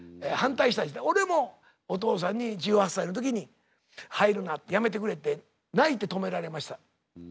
俺もお父さんに１８歳の時に「入るなやめてくれ」って泣いて止められました。